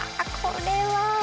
これは。